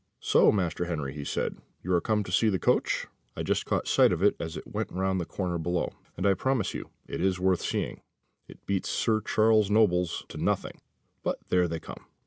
"So, Master Henry," he said, "you are come to see the coach; I just caught sight of it as it went round the corner below, and I promise you it is worth seeing; it beats Sir Charles Noble's to nothing but here they come."